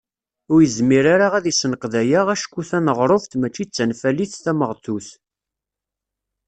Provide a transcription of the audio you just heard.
Ur yezmir ara ad isenqed aya acku taneɣruft mačči d tanfalit tameɣtut.